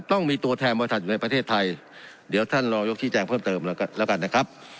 ต้องมีตัวแทนบริษัทอยู่ในประเทศไทยเดี๋ยวท่านรองยกที่แจ้งเพิ่มเติมแล้วกันแล้วกันนะครับ